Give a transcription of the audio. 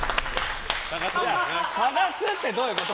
探すってどういうこと？